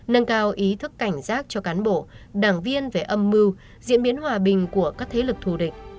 nâng cao ý thức cảnh giác cho cán bộ đảng viên về âm mưu diễn biến hòa bình của các thế lực thù địch